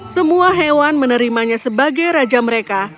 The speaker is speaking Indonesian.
semua hewan menerimanya sebagai raja mereka